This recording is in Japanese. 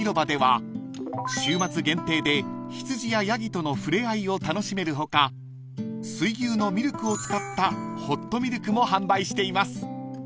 ［週末限定で羊やヤギとのふれあいを楽しめる他水牛のミルクを使ったホットミルクも販売しています］